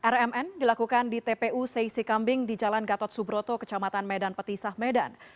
rmn dilakukan di tpu seisi kambing di jalan gatot subroto kecamatan medan petisah medan